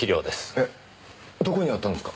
えどこにあったんですか？